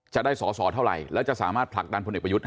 จะได้สอสอเท่าไหร่แล้วจะสามารถผลักดันพลเอกประยุทธ์